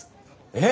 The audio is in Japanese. えっ！